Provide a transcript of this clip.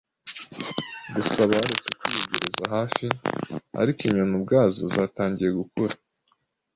gusa baretse kwiyegereza hafi, ariko inyoni ubwazo zatangiye gukura